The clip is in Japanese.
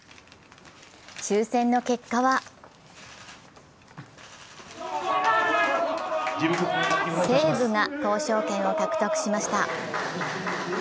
抽選の結果は西武が交渉権を獲得しました。